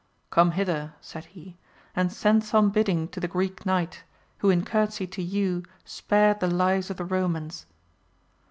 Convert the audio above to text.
Come hither, said he, and send some bidding to the Greek Knight, who in courtesy to you spared the lives of the Eomans.